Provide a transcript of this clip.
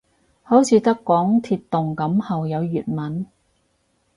好似得港鐵動感號有粵文